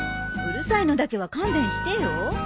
うるさいのだけは勘弁してよ。